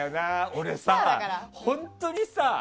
俺さ、本当にさ